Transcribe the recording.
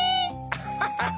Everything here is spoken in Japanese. アハハハ